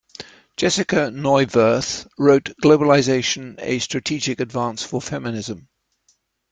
Jessica Neuwirth wrote "Globalization: A Strategic Advance for Feminism?